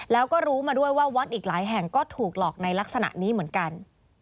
แล้วก็รู้มาด้วยว่าวัดอีกหลายแห่งก็ถูกหลอกในลักษณะนี้เหมือนกัน